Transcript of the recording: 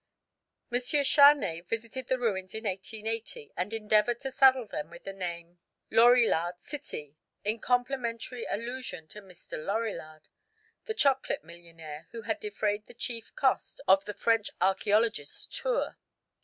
M. Charnay visited the ruins in 1880, and endeavoured to saddle them with the name "Lorillard City," in complimentary allusion to Mr. Lorillard, the chocolate millionaire who had defrayed the chief cost of the French archæologist's tour.